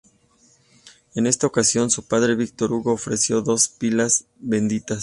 En esta ocasión, su padre Victor Hugo ofreció dos pilas benditas.